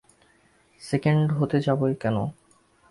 Second হতে যাবে কেন?